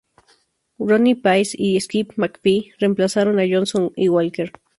Ronnie Pace y Skip McPhee reemplazaron a Johnson y Walker.